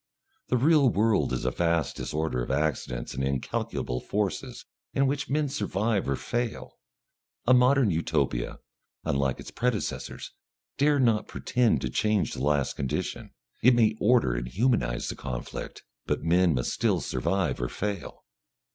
The real world is a vast disorder of accidents and incalculable forces in which men survive or fail. A Modern Utopia, unlike its predecessors, dare not pretend to change the last condition; it may order and humanise the conflict, but men must still survive or fail.